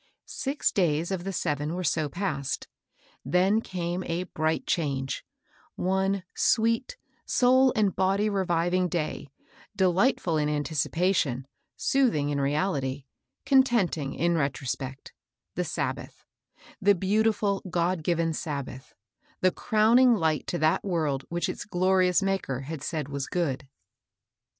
Six days of the seven were so passed. Then canie a bright change : one sweet, soul and body reviving day, delightful in anticipation, soothing in reality, contenting in retrospect, — the Sab bath, — the beautiful, God given Sabbath, — the crowning light to that world which its glorious Maker had said was good.